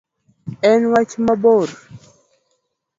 En wach mabor.